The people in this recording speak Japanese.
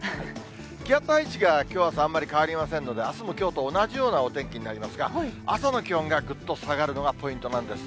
気圧配置がきょうとあす、あんまり変わりませんので、あすもきょうと同じようなお天気になりますが、朝の気温がぐっと下がるのがポイントなんです。